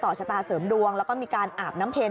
ชะตาเสริมดวงแล้วก็มีการอาบน้ำเพ็ญ